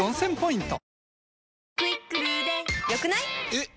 えっ！